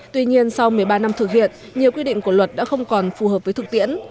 tuy nhiên sau một mươi ba năm thực hiện nhiều quy định của luật đã không còn phù hợp với thực tiễn